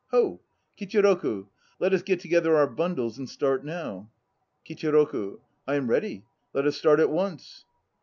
Ho ! Kichiroku, let us get together our bundles and start now. KICHIROKU. I am ready. Let us start at once.